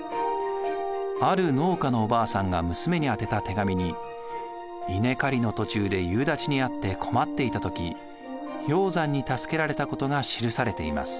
ある農家のおばあさんが娘に宛てた手紙に稲刈りの途中で夕立ちに遭って困っていた時鷹山に助けられたことが記されています。